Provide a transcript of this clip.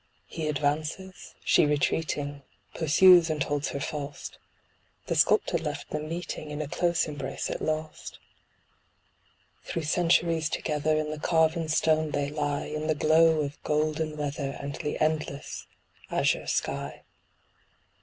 He advances, she retreating, pursues and holds her fast, The sculptor left them meeting, in a close embrace at last. Through centuries together, in the carven stone they lie, In the glow of golden weather, and endless azure sky.